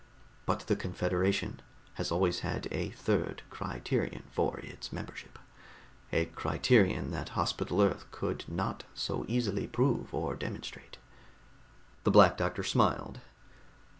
But the Confederation has always had a third criterion for its membership, a criterion that Hospital Earth could not so easily prove or demonstrate." The Black Doctor smiled.